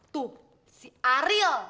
tuh si ariel